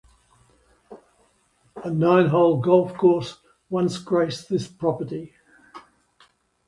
A nine-hole golf course once graced this property.